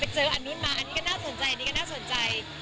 เจออันนู้นมาอันนี้ก็น่าสนใจอันนี้ก็น่าสนใจ